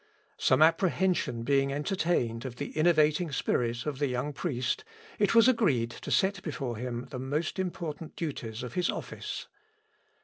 Some apprehension being entertained of the innovating spirit of the young priest, it was agreed to set before him the most important duties of his office.